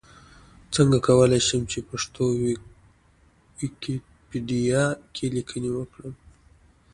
څنګه کولی شم چې پښتو ويکيپېډيا کې ليکنې وکړم؟